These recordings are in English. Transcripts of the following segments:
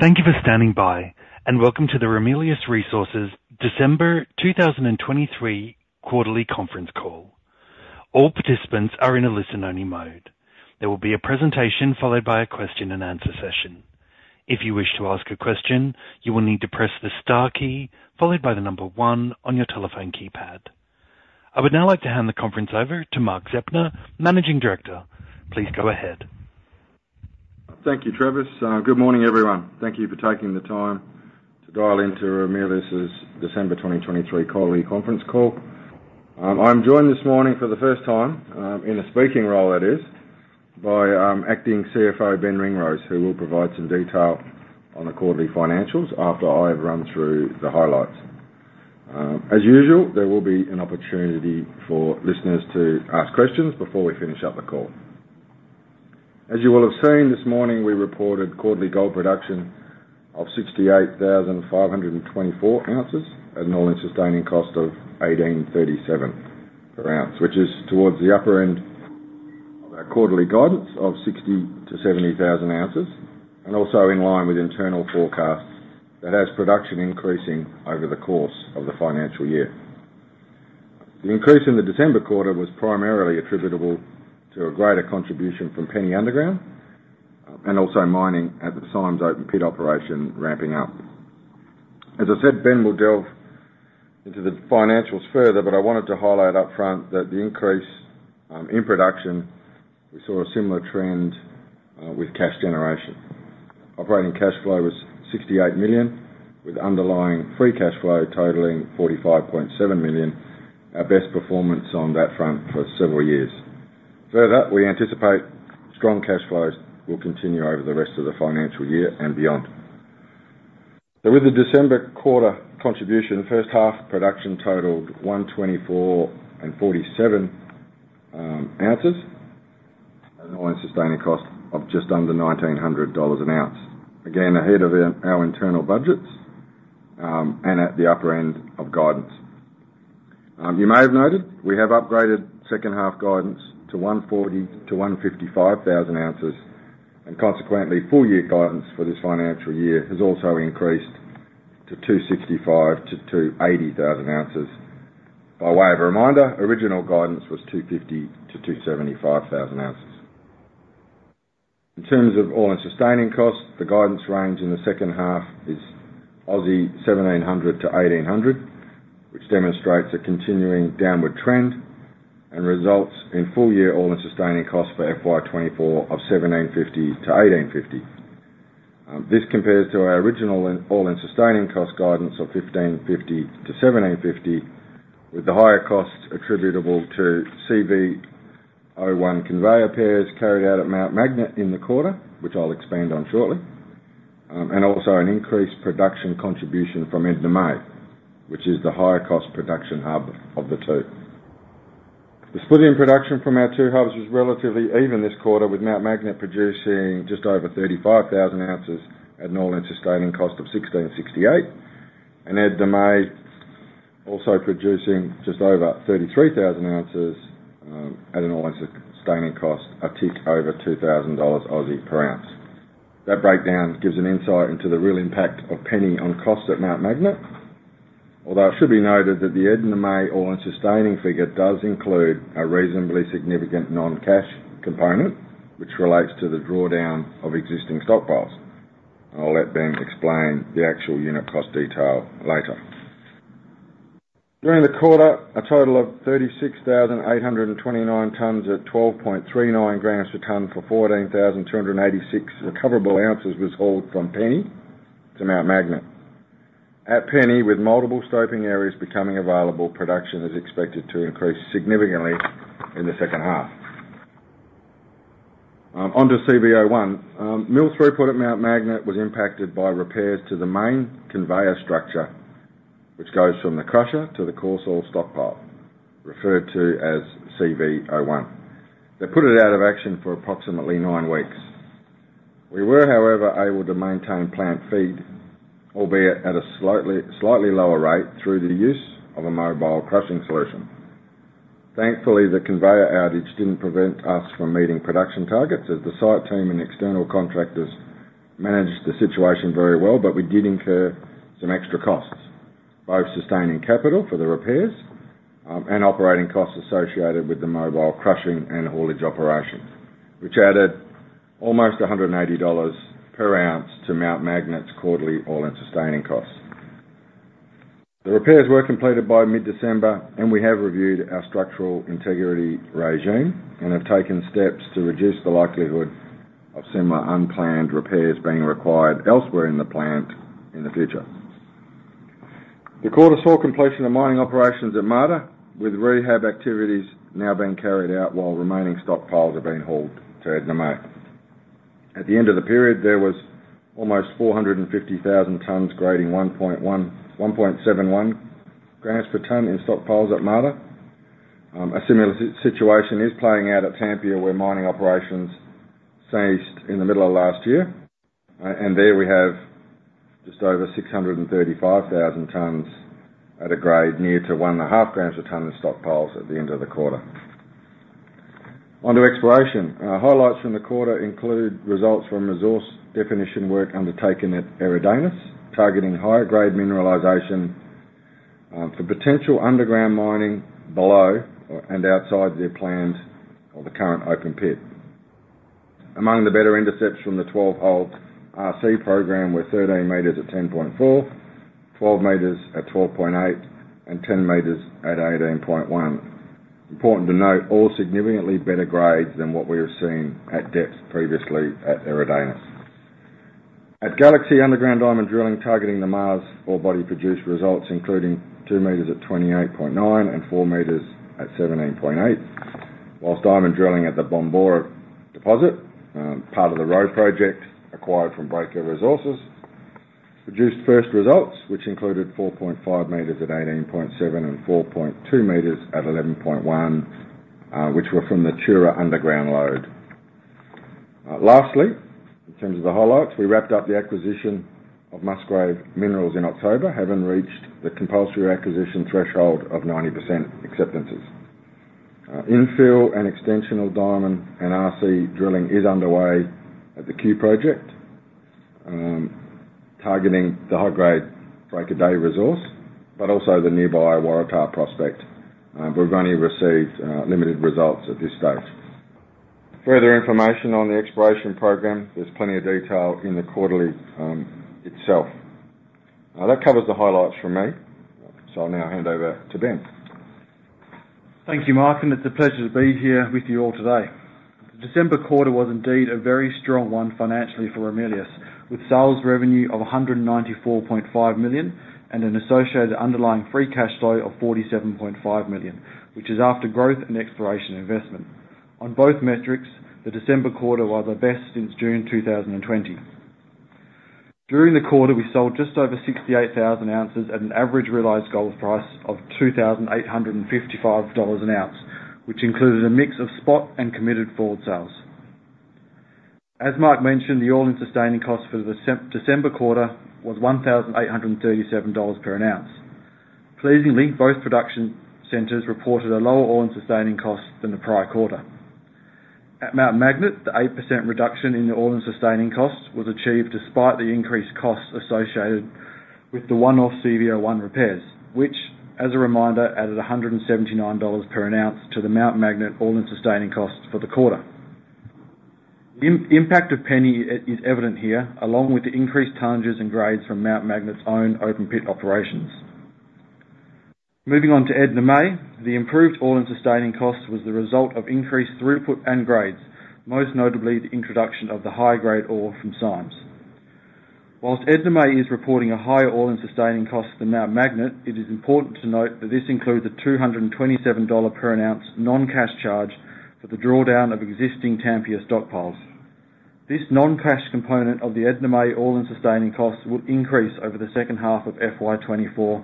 Thank you for standing by, and welcome to the Ramelius Resources December 2023 quarterly conference call. All participants are in a listen-only mode. There will be a presentation, followed by a Q&A session. If you wish to ask a question, you will need to press the star key followed by the number one on your telephone keypad. I would now like to hand the conference over to Mark Zeptner, Managing Director. Please go ahead. Thank you, Travis. Good morning, everyone. Thank you for taking the time to dial into Ramelius's December 2023 quarterly conference call. I'm joined this morning for the first time, in a speaking role, that is, by Acting CFO Ben Ringrose, who will provide some detail on the quarterly financials after I've run through the highlights. As usual, there will be an opportunity for listeners to ask questions before we finish up the call. As you will have seen this morning, we reported quarterly gold production of 68,524 ounces at an all-in sustaining cost of 1,837 per ounce, which is towards the upper end of our quarterly guidance of 60,000 to 70,000 ounces, and also in line with internal forecasts that has production increasing over the course of the financial year. The increase in the December quarter was primarily attributable to a greater contribution from Penny Underground and also mining at the Symes open-pit operation ramping up. As I said, Ben will delve into the financials further, but I wanted to highlight upfront that the increase in production, we saw a similar trend with cash generation. Operating cash flow was 68 million, with underlying free cash flow totaling 45.7 million, our best performance on that front for several years. Further, we anticipate strong cash flows will continue over the rest of the financial year and beyond. With the December quarter contribution, first half production totaled 124,047 ounces, at an all-in sustaining cost of just under 1,900 dollars an ounce. Again, ahead of our internal budgets and at the upper end of guidance. You may have noted we have upgraded second half guidance to 140,000 to 155,000 ounces, and consequently, full-year guidance for this financial year has also increased to 265,000 to 280,000 ounces. By way of a reminder, original guidance was 250,000 to 275,000 ounces. In terms of all-in sustaining costs, the guidance range in the second half is 1,700 to 1,800, which demonstrates a continuing downward trend and results in full-year all-in sustaining costs for FY 2024 of 1,750 to 1,850. This compares to our original all-in sustaining cost guidance of 1,550 to 1,750, with the higher costs attributable to CV01 conveyor repairs carried out at Mount Magnet in the quarter, which I'll expand on shortly. Also an increased production contribution from Edna May, which is the higher-cost production hub of the two. The split in production from our two hubs was relatively even this quarter, with Mount Magnet producing just over 35,000 ounces at an all-in sustaining cost of 1,668, and Edna May also producing just over 33,000 ounces at an all-in sustaining cost a tick over 2,000 Aussie dollars per ounce. That breakdown gives an insight into the real impact of Penny on cost at Mount Magnet. Although it should be noted that the Edna May all-in sustaining figure does include a reasonably significant non-cash component, which relates to the drawdown of existing stockpiles. I'll let Ben explain the actual unit cost detail later. During the quarter, a total of 36,829 tons at 12.39 grams per ton for 14,286 recoverable ounces was hauled from Penny to Mount Magnet. At Penny, with multiple scoping areas becoming available, production is expected to increase significantly in the second half. Onto CV01. Mill throughput at Mount Magnet was impacted by repairs to the main conveyor structure, which goes from the crusher to the coarse ore stockpile, referred to as CV01. They put it out of action for approximately nine weeks. We were, however, able to maintain plant feed, albeit at a slightly, slightly lower rate, through the use of a mobile crushing solution. Thankfully, the conveyor outage didn't prevent us from meeting production targets, as the site team and external contractors managed the situation very well, but we did incur some extra costs, both sustaining capital for the repairs, and operating costs associated with the mobile crushing and haulage operations, which added almost 180 dollars per ounce to Mt Magnet's quarterly all-in sustaining costs. The repairs were completed by mid-December, and we have reviewed our structural integrity regime and have taken steps to reduce the likelihood of similar unplanned repairs being required elsewhere in the plant in the future. The quarter saw completion of mining operations at Marda, with rehab activities now being carried out while remaining stockpiles are being hauled to Edna May. At the end of the period, there was almost 450,000 tons, grading 1.71 grams per ton in stockpiles at Marda. A similar situation is playing out at Tampia, where mining operations ceased in the middle of last year. And there we have just over 635,000 tons at a grade near to 1.5 grams per ton of stockpiles at the end of the quarter. On to exploration. Highlights from the quarter include results from resource definition work undertaken at Eridanus, targeting higher grade mineralization, for potential underground mining below and outside the planned or the current open pit. Among the better intercepts from the 12-hole RC program were 13 meters at 10.4, 12 meters at 12.8, and 10 meters at 18.1. Important to note, all significantly better grades than what we were seeing at depths previously at Eridanus. At Galaxy underground diamond drilling, targeting the Mars ore body produced results, including 2 meters at 28.9 and 4 meters at 17.8. While diamond drilling at the Bombora deposit, part of the Roe Project, acquired from Breaker Resources, produced first results, which included 4.5 meters at 18.7 and 4.2 meters at 11.1, which were from the Tura underground lode. Lastly, in terms of the highlights, we wrapped up the acquisition of Musgrave Minerals in October, having reached the compulsory acquisition threshold of 90% acceptances. Infill and extensional diamond and RC drilling is underway at the Key Project, targeting the high-grade Break of Day resource, but also the nearby Waratah prospect. We've only received limited results at this stage. Further information on the exploration program, there's plenty of detail in the quarterly itself. Now, that covers the highlights from me, so I'll now hand over to Ben. Thank you, Mark, and it's a pleasure to be here with you all today. December quarter was indeed a very strong one financially for Ramelius, with sales revenue of 194.5 million and an associated underlying free cash flow of 47.5 million, which is after growth and exploration investment. On both metrics, the December quarter was the best since June 2020. During the quarter, we sold just over 68,000 ounces at an average realized gold price of 2,855 dollars an ounce, which included a mix of spot and committed forward sales. As Mark mentioned, the all-in sustaining cost for the December quarter was 1,837 dollars per ounce. Pleasingly, both production centers reported a lower all-in sustaining cost than the prior quarter. At Mount Magnet, the 8% reduction in the all-in sustaining cost was achieved despite the increased costs associated with the one-off CV01 repairs, which, as a reminder, added 179 dollars per ounce to the Mount Magnet all-in sustaining cost for the quarter. The impact of Penny is evident here, along with the increased tons and grades from Mount Magnet's own open pit operations. Moving on to Edna May, the improved all-in sustaining costs was the result of increased throughput and grades, most notably the introduction of the high-grade ore from Symes. While Edna May is reporting a higher all-in sustaining cost than Mount Magnet, it is important to note that this includes a 227 dollar per ounce non-cash charge for the drawdown of existing Tampia stockpiles. This non-cash component of the Edna May all-in sustaining costs will increase over the second half of FY 2024,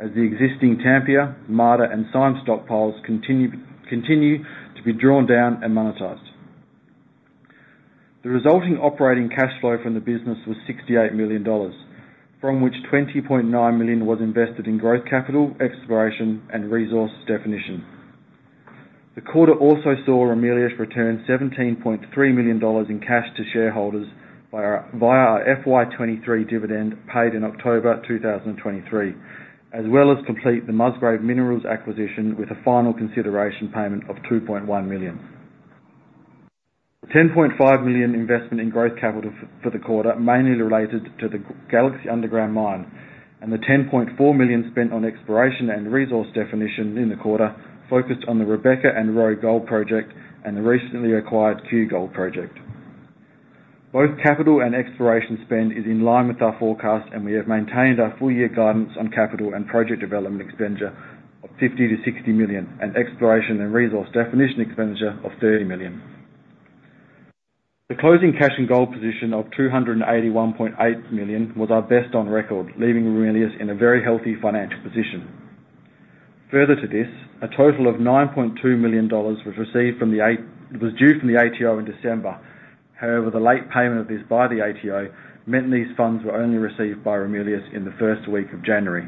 as the existing Tampia, Marda, and Symes stockpiles continue to be drawn down and monetized. The resulting operating cash flow from the business was 68 million dollars, from which 20.9 million was invested in growth, capital, exploration, and resource definition. The quarter also saw Ramelius return 17.3 million dollars in cash to shareholders via our FY 2023 dividend, paid in October 2023, as well as complete the Musgrave Minerals acquisition with a final consideration payment of 2.1 million. The 10.5 million investment in growth capital for the quarter mainly related to the Galaxy Underground Mine, and the 10.4 million spent on exploration and resource definition in the quarter focused on the Rebecca and Roe Gold Project and the recently acquired Cue Gold Project. Both capital and exploration spend is in line with our forecast, and we have maintained our full year guidance on capital and project development expenditure of 50 million to 60 million, and exploration and resource definition expenditure of 30 million. The closing cash and gold position of 281.8 million was our best on record, leaving Ramelius in a very healthy financial position. Further to this, a total of 9.2 million dollars was received from the ATO in December. However, the late payment of this by the ATO meant these funds were only received by Ramelius in the first week of January.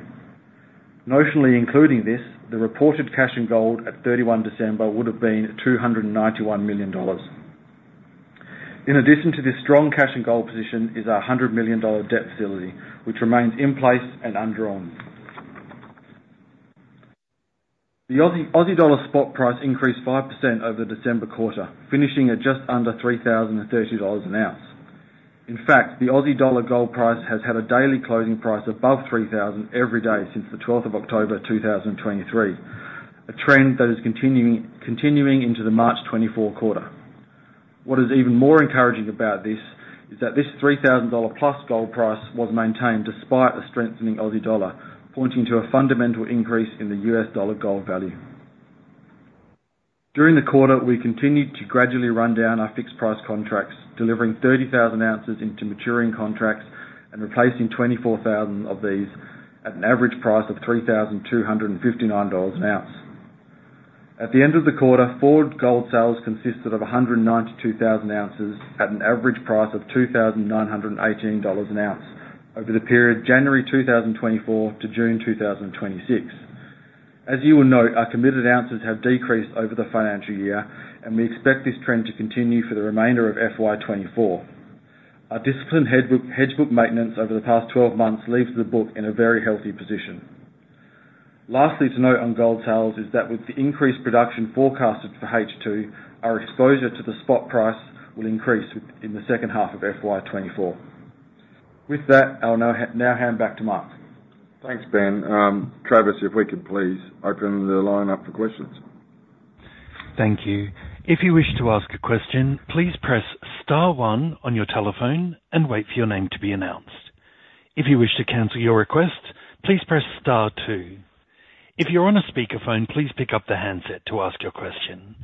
Notionally, including this, the reported cash and gold at 31 December would have been AUD $291 million. In addition to this, strong cash and gold position is our $100 million debt facility, which remains in place and undrawn. The Aussie dollar spot price increased 5% over the December quarter, finishing at just under AUD $3,030 an ounce. In fact, the Aussie dollar gold price has had a daily closing price above AUD $3,000 every day since 12 October 2023, a trend that is continuing into the March 2024 quarter. What is even more encouraging about this is that this $3,000+ gold price was maintained despite a strengthening Aussie dollar, pointing to a fundamental increase in the US dollar gold value. During the quarter, we continued to gradually run down our fixed price contracts, delivering 30,000 ounces into maturing contracts and replacing 24,000 of these at an average price of $3,259 an ounce..At the end of the quarter, forward gold sales consisted of 192,000 ounces at an average price of $2,918 an ounce over the period January 2024 to June 2026. As you will note, our committed ounces have decreased over the financial year, and we expect this trend to continue for the remainder of FY 2024. Our disciplined hedgebook maintenance over the past 12 months leaves the book in a very healthy position. Lastly, to note on gold sales is that with the increased production forecasted for H2, our exposure to the spot price will increase within the second half of FY 2024. With that, I'll now hand back to Mark. Thanks, Ben. Travis, if we could please open the line up for questions. Thank you. If you wish to ask a question, please press star one on your telephone and wait for your name to be announced. If you wish to cancel your request, please press star two. If you're on a speakerphone, please pick up the handset to ask your question.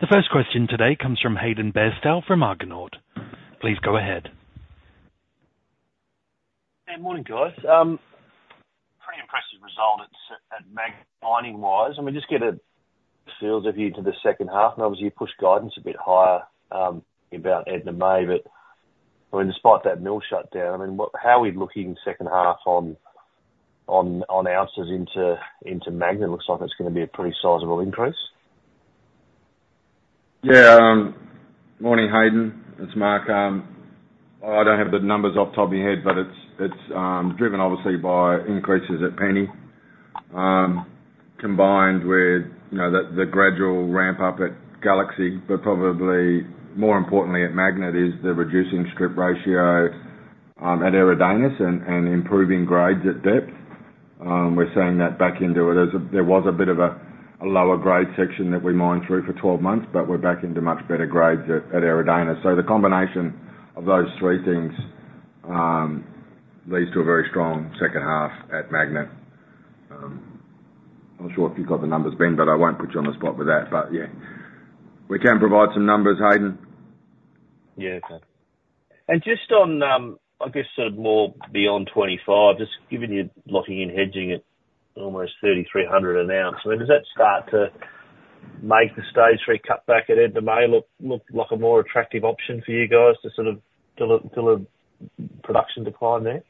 The first question today comes from Hayden Bairstow from Argonaut. Please go ahead. Hey, morning, guys. Pretty impressive result at Mt. Magnet mining-wise. I mean, just get a feel of you to the second half, and obviously you pushed guidance a bit higher about Edna May. But, I mean, despite that mill shutdown, I mean, how are we looking second half on ounces into Mt. Magnet? It looks like that's gonna be a pretty sizable increase. Yeah. Morning, Hayden. It's Mark. I don't have the numbers off the top of my head, but it's driven obviously by increases at Penny, combined with, you know, the gradual ramp up at Galaxy. But probably more importantly at Magnet is the reducing strip ratio at Eridanus and improving grades at depth. We're seeing that back into it. There was a bit of a lower grade section that we mined through for 12 months, but we're back into much better grades at Eridanus. So the combination of those three things leads to a very strong second half at Magnet. I'm not sure if you've got the numbers, Ben, but I won't put you on the spot with that. But, yeah, we can provide some numbers, Hayden. Yeah. And just on, I guess sort of more beyond 25, just given you're locking in hedging at almost $3,300 an ounce, I mean, does that start to make the stage three cutback at Edna May look like a more attractive option for you guys to sort of build a production decline there?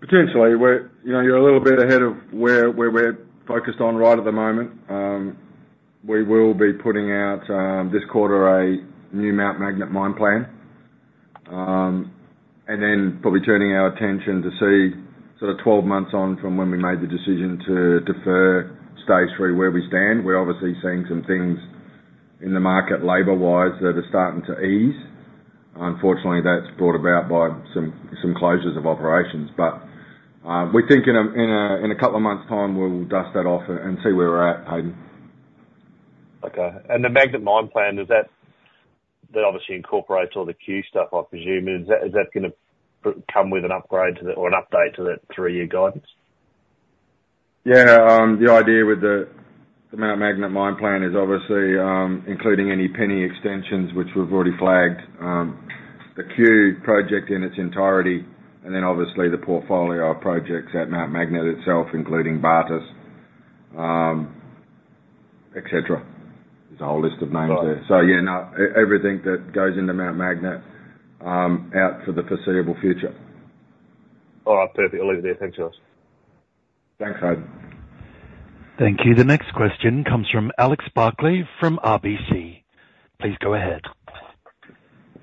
Potentially we're, you know, you're a little bit ahead of where we're focused on right at the moment. We will be putting out, this quarter, a new Mount Magnet mine plan. And then probably turning our attention to see sort of 12 months on from when we made the decision to defer stage three, where we stand. We're obviously seeing some things in the market, labor-wise, that are starting to ease. Unfortunately, that's brought about by some closures of operations. But we think in a couple of months' time, we'll dust that off and see where we're at, Hayden. Okay. And the Mt Magnet mine plan, does that obviously incorporate all the Cue stuff, I presume. Is that gonna come with an upgrade to the or an update to the three-year guidance? Yeah. The idea with the Mt. Magnet mine plan is obviously including any Penny extensions, which we've already flagged, the Cue project in its entirety, and then obviously the portfolio of projects at Mt. Magnet itself, including Bartus, et cetera. There's a whole list of names there. All right. So, yeah, no, everything that goes into Mount Magnet out for the foreseeable future. All right, perfect. I'll leave it there. Thanks, guys. Thanks, Hayden. Thank you. The next question comes from Alex Barclay, from RBC. Please go ahead.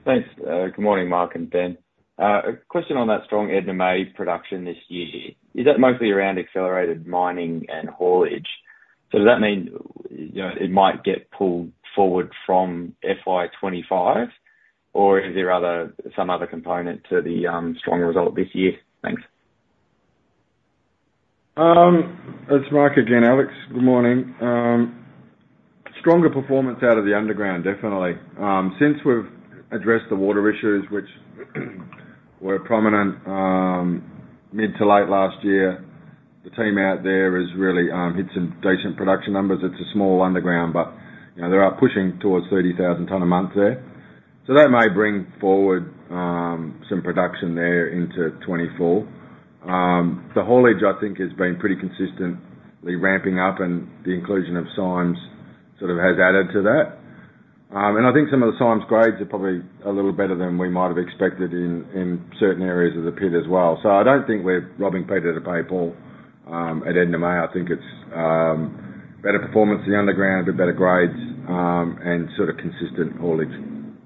Thanks. Good morning, Mark and Ben. A question on that strong Edna May production this year. Is that mostly around accelerated mining and haulage? So does that mean, you know, it might get pulled forward from FY 2025, or is there other, some other component to the strong result this year? Thanks. It's Mark again, Alex. Good morning. Stronger performance out of the underground, definitely. Since we've addressed the water issues, which were prominent mid to late last year, the team out there has really hit some decent production numbers. It's a small underground, but, you know, they are pushing towards 30,000 tons a month there. So that may bring forward some production there into 2024. The haulage, I think, has been pretty consistently ramping up, and the inclusion of Symes sort of has added to that. And I think some of the Symes grades are probably a little better than we might have expected in certain areas of the pit as well. So I don't think we're robbing Peter to pay Paul at Edna May. I think it's better performance in the underground, a bit better grades, and sort of consistent haulage,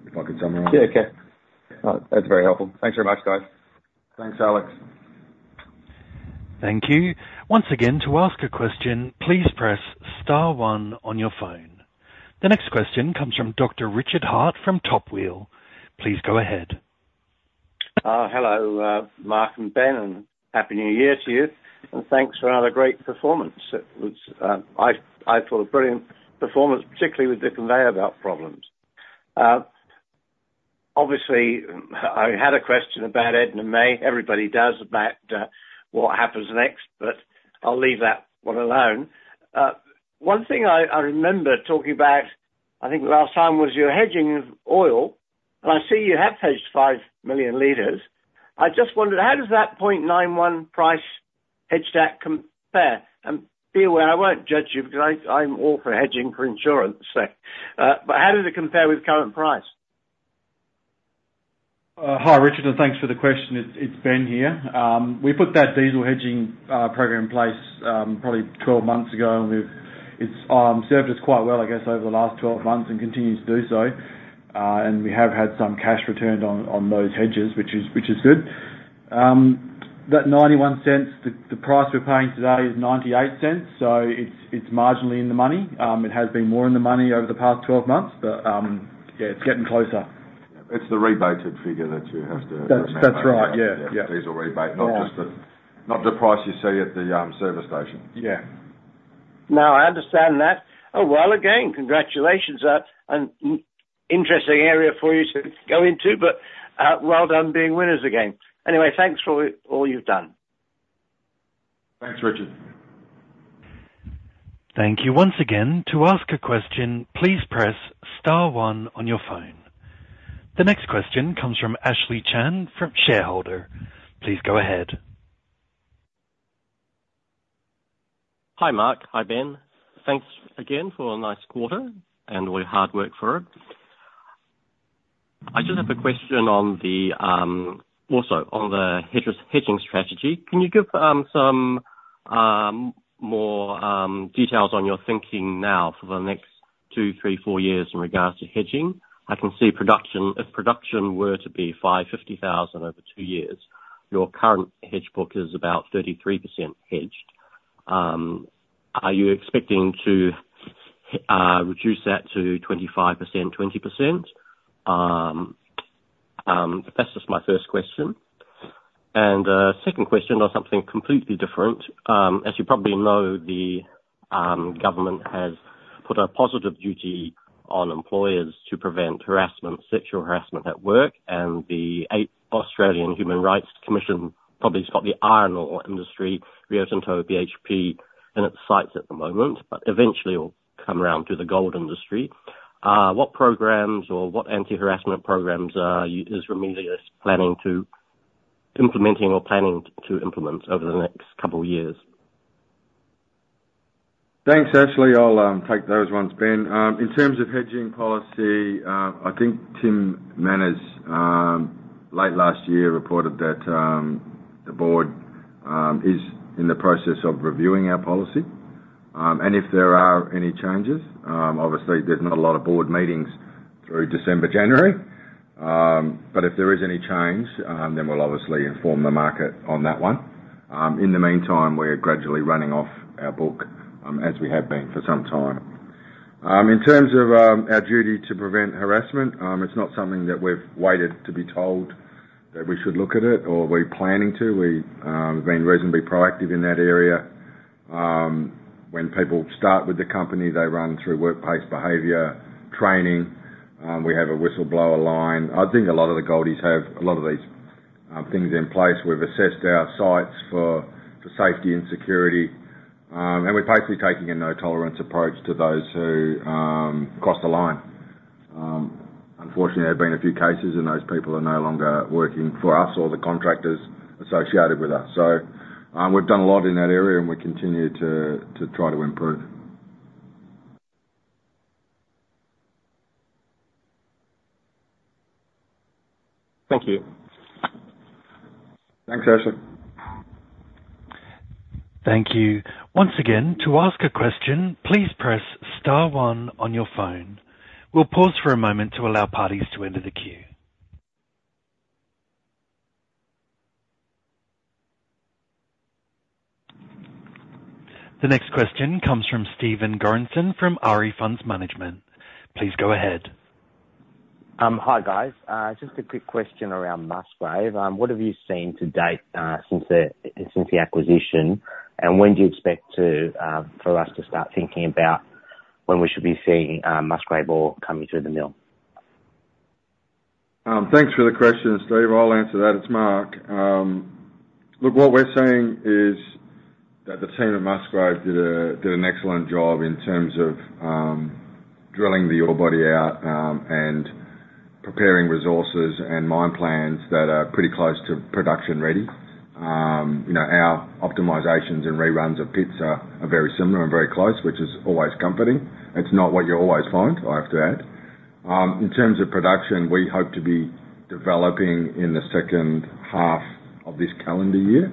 if I could summarize. Yeah, okay. That's very helpful. Thanks very much, guys. Thanks, Alex. Thank you. Once again, to ask a question, please press star one on your phone. The next question comes from Dr. Richard Hart from Tupelo Capital. Please go ahead. Hello, Mark and Ben, and Happy New Year to you. Thanks for another great performance. It was, I thought a brilliant performance, particularly with the conveyor belt problems. Obviously, I had a question about Edna May. Everybody does, about what happens next, but I'll leave that one alone. One thing I remember talking about, I think last time, was your hedging of oil, and I see you have hedged 5 million liters. I just wondered, how does that 0.91 price hedge stack compare? And be aware, I won't judge you because I'm all for hedging for insurance sake. But how does it compare with current price? Hi, Richard, and thanks for the question. It's Ben here. We put that diesel hedging program in place, probably 12 months ago, and we've, it's served us quite well, I guess, over the last 12 months and continues to do so. And we have had some cash returned on those hedges, which is good. That 0.91, the price we're paying today is 0.98, so it's marginally in the money. It has been more in the money over the past 12 months, but yeah, it's getting closer. It's the rebated figure that you have to That's, that's right. Yeah. Diesel rebate, not just the Right. Not the price you see at the service station. Yeah. No, I understand that. Oh, well, again, congratulations. An interesting area for you to go into, but, well done, being winners again. Anyway, thanks for all, all you've done. Thanks, Richard. Thank you once again. To ask a question, please press star one on your phone. The next question comes from Ashley Chan from Shareholder. Please go ahead. Hi, Mark. Hi, Ben. Thanks again for a nice quarter and all your hard work for it. I just have a question on the also on the hedging strategy. Can you give some more details on your thinking now for the next two, three, four years in regards to hedging? I can see production, if production were to be 550,000 over two years, your current hedge book is about 33% hedged. Are you expecting to reduce that to 25%, 20%? That's just my first question. And second question on something completely different. As you probably know, the government has put a positive duty on employers to prevent harassment, sexual harassment at work, and the Australian Human Rights Commission probably has got the iron ore industry, Rio Tinto, BHP, in its sights at the moment, but eventually it'll come around to the gold industry. What programs or what anti-harassment programs is Ramelius planning to implementing or planning to implement over the next couple of years? Thanks, Ashley. I'll take those ones, Ben. In terms of hedging policy, I think Tim Manners late last year reported that the board is in the process of reviewing our policy, and if there are any changes, obviously there's not a lot of board meetings through December, January. But if there is any change, then we'll obviously inform the market on that one. In the meantime, we are gradually running off our book, as we have been for some time. In terms of our duty to prevent harassment, it's not something that we've waited to be told that we should look at it or we're planning to. We've been reasonably proactive in that area. When people start with the company, they run through workplace behavior training. We have a whistleblower line. I think a lot of the goldies have a lot of these things in place. We've assessed our sites for safety and security, and we're basically taking a no-tolerance approach to those who cross the line. Unfortunately, there have been a few cases, and those people are no longer working for us or the contractors associated with us. So, we've done a lot in that area, and we continue to try to improve. Thank you. Thanks, Ashley. Thank you. Once again, to ask a question, please press star one on your phone. We'll pause for a moment to allow parties to enter the queue. The next question comes from Stephen Gorenstein, from Ari Funds Management. Please go ahead. Hi, guys. Just a quick question around Musgrave. What have you seen to date, since the acquisition, and when do you expect to, for us to start thinking about when we should be seeing, Musgrave ore coming through the mill? Thanks for the question, Steve. I'll answer that. It's Mark. Look, what we're seeing is that the team at Musgrave did an excellent job in terms of drilling the ore body out and preparing resources and mine plans that are pretty close to production-ready. You know, our optimizations and reruns of pits are very similar and very close, which is always comforting. It's not what you always find, I have to add. In terms of production, we hope to be developing in the second half of this calendar year,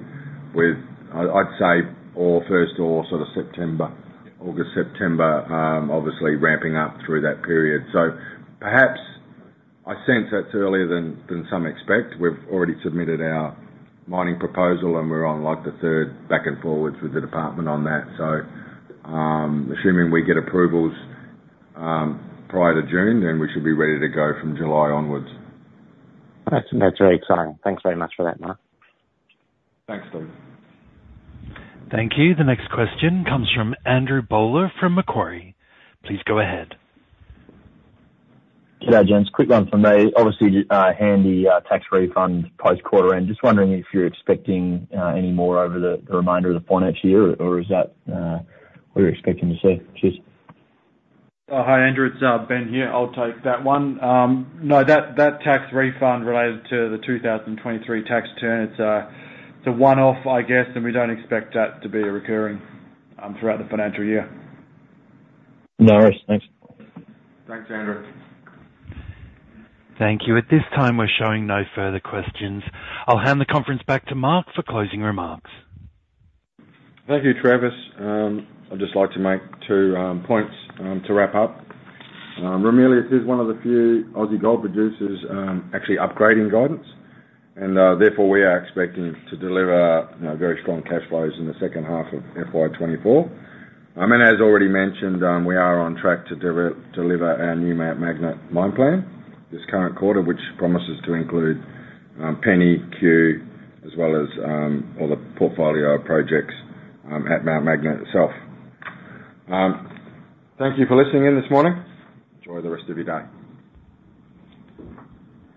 with I'd say, ore first or sort of September, August, September, obviously ramping up through that period. So perhaps I sense that's earlier than some expect. We've already submitted our mining proposal, and we're on, like, the third back and forth with the department on that. Assuming we get approvals, prior to June, then we should be ready to go from July onwards. That's, that's very exciting. Thanks very much for that, Mark. Thanks, Steve. Thank you. The next question comes from Andrew Bowler, from Macquarie. Please go ahead. G'day, gents. Quick one from me. Obviously, handy, tax refund post-quarter end. Just wondering if you're expecting, any more over the remainder of the financial year, or is that, what you're expecting to see? Cheers. Hi, Andrew. It's Ben here. I'll take that one. No, that tax refund related to the 2023 tax term, it's a one-off, I guess, and we don't expect that to be recurring throughout the financial year. No worries. Thanks. Thanks, Andrew. Thank you. At this time, we're showing no further questions. I'll hand the conference back to Mark for closing remarks. Thank you, Travis. I'd just like to make two points to wrap up. Ramelius is one of the few Aussie gold producers actually upgrading guidance, and therefore, we are expecting to deliver very strong cash flows in the second half of FY 2024. And as already mentioned, we are on track to deliver our new Mount Magnet mine plan this current quarter, which promises to include Penny, Cue, as well as all the portfolio of projects at Mount Magnet itself. Thank you for listening in this morning. Enjoy the rest of your day.